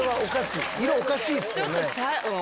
色おかしいっすよね。